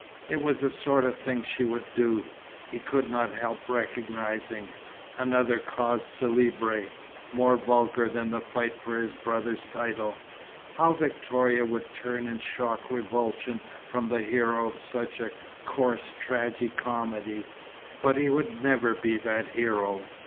It was the sort of thing she would do, he could not help recognizing. Another cause célèbre, more vulgar than the fight for his brother's title! How Victoria would turn in shocked revulsion from the hero of such a coarse tragi comedy. But he would never be that hero.